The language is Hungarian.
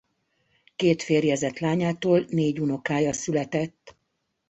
Két férjezett lányától négy unokája született.